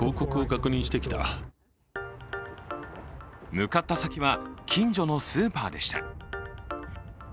向かった先は近所のスーパーでした。